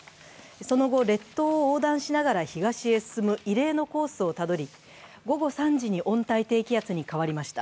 その後、列島を横断しながら東へ進む異例のコースをたどり、午後３時に温帯低気圧に変わりました。